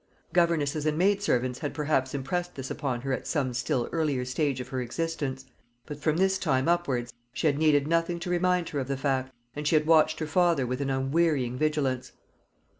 Governesses and maidservants had perhaps impressed this upon her at some still earlier stage of her existence; but from this time upwards she had needed nothing to remind her of the fact, and she had watched her father with an unwearying vigilance.